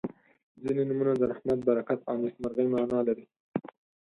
• ځینې نومونه د رحمت، برکت او نیکمرغۍ معنا لري.